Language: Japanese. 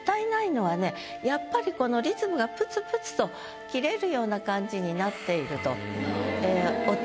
やっぱりこのリズムがプツプツと切れるような感じになっていると。